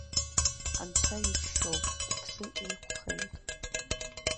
Анцәа иџьшьоуп, уԥсы еиқәхеит.